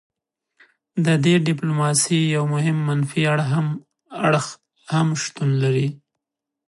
د دې ډیپلوماسي یو مهم منفي اړخ هم شتون لري